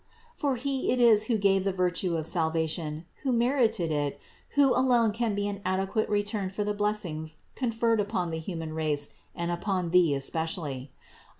For He it is who gave the virtue of salvation, who merited it, who alone can be an adequate return for the blessings conferred upon the human race and upon thee especially.